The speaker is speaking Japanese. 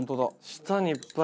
下にいっぱい。